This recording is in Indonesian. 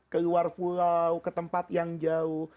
keluar pulau ke tempat yang jauh